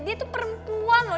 dia tuh perempuan loh